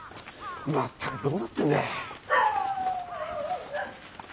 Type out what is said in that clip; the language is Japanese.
全くどうなってんだい。